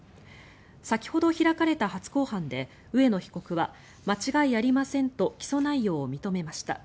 先ほど開かれた初公判で植野被告は間違いありませんと起訴内容を認めました。